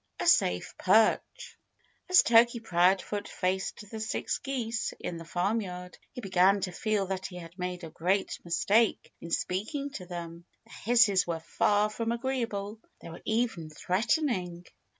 V A SAFE PERCH As Turkey Proudfoot faced the six geese in the farmyard he began to feel that he had made a great mistake in speaking to them. Their hisses were far from agreeable. They were even threatening.